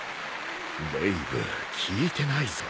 デイヴ聞いてないぞ。